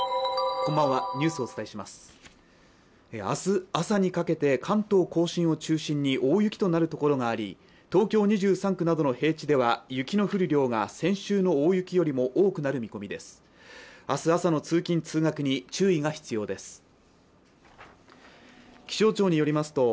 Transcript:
明日朝にかけて関東甲信を中心に大雪となるところがあり、東京２３区などの平地では雪の降る量が先週の大雪よりも多くなる見込みです。